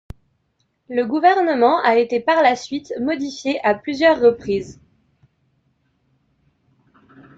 Le gouvernement a été par la suite modifié à plusieurs reprises.